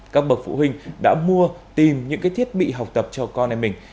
các bậc phụ huynh đã mua tìm những cái thiết bị học tập cho con em mình